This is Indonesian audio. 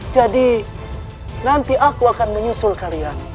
jadi nanti aku akan menyusul kalian